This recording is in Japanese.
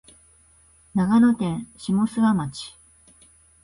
長野県下諏訪町